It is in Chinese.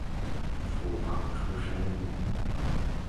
副榜出身。